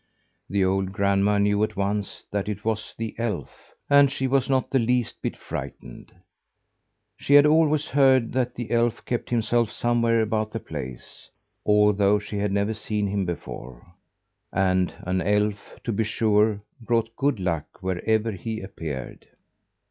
The old grandma knew at once that it was the elf, and she was not the least bit frightened. She had always heard that the elf kept himself somewhere about the place, although she had never seen him before; and an elf, to be sure, brought good luck wherever he appeared.